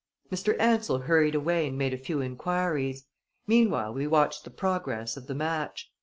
Mr. Ansell hurried away and made a few inquiries. Meanwhile we watched the progress of the match.